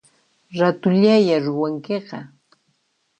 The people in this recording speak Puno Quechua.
Ratullaya ruwankiqa